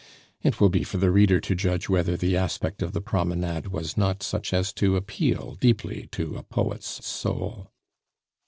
It will be for the reader to judge whether the aspect of the promenade was not such as to appeal deeply to a poet's soul.